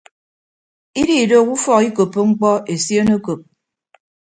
Ididooho ufọk ikoppo mkpọ esion ekop.